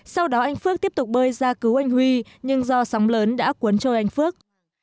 sau đó anh phước tiếp tục bơi ra cứu anh huy nhưng do sóng lớn đã cuốn trôi anh phước